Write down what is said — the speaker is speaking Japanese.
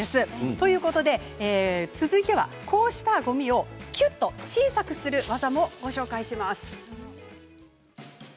ということで、続いてはこうしたごみをきゅっと小さくする技もご紹介します。